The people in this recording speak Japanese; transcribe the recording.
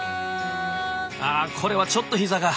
あこれはちょっと膝が。